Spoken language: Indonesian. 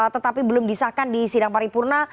tetapi belum disahkan di sidang paripurna